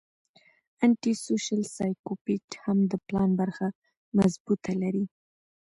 انټي سوشل سايکوپېت هم د پلان برخه مضبوطه لري